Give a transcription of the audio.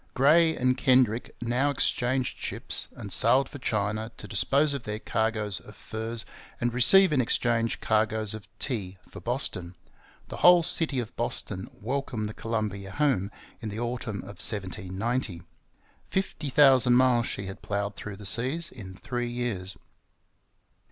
Gray and Kendrick now exchanged ships, and sailed for China to dispose of their cargoes of furs and receive in exchange cargoes of tea for Boston. The whole city of Boston welcomed the Columbia home in the autumn of 1790. Fifty thousand miles she had ploughed through the seas in three years.